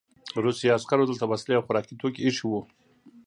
روسي عسکرو دلته وسلې او خوراکي توکي ایښي وو